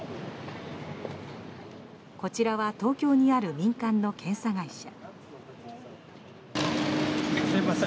こちらは東京にある民間の検査会社。